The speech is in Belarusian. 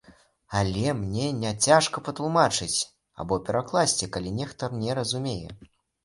Але мне не цяжка патлумачыць або перакласці, калі нехта не разумее.